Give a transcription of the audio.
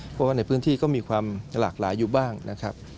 เพราะว่าในพื้นที่ก็มีความหลากหลายอยู่บ้างนะครับ